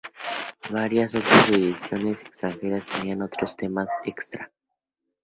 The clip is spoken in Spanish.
Varias otras ediciones extranjeras tenían otros temas extra.